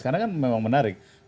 karena kan memang menarik